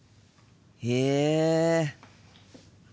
へえ。